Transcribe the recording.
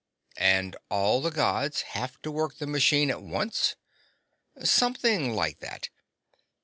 "And all the Gods have to work the machine at once?" "Something like that."